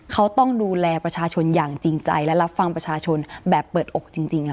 เขาต้องดูแลประชาชนอย่างจริงใจและรับฟังประชาชนแบบเปิดอกจริงค่ะ